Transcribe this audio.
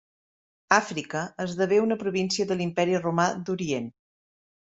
Àfrica esdevé una província de l'Imperi Romà d'Orient.